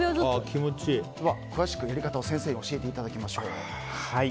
詳しくやり方を先生に教えていただきましょう。